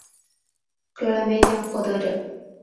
格莱美奖获得者。